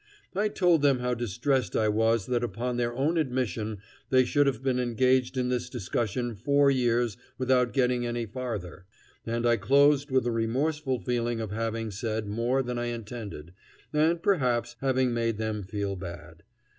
I told them how distressed I was that upon their own admission they should have been engaged in this discussion four years without getting any farther, and I closed with a remorseful feeling of having said more than I intended and perhaps having made them feel bad.